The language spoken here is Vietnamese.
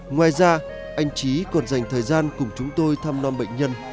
ngoài ra anh trí còn dành thời gian cùng chúng tôi thăm non bệnh nhân